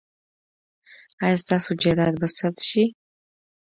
ایا ستاسو جایداد به ثبت شي؟